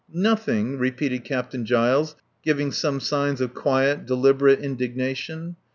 ... "Nothing!" repeated Captain Giles, giving some signs of quiet, deliberate indignation.